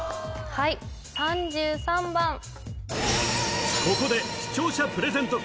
はいここで視聴者プレゼント